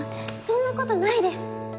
そんなことないです